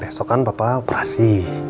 besok kan papa operasi